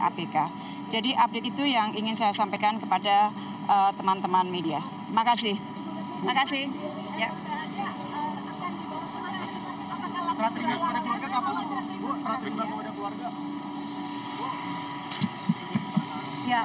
abk jadi update itu yang ingin saya sampaikan kepada teman teman media makasih makasih ya